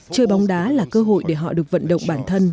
chơi bóng đá là cơ hội để họ được vận động bản thân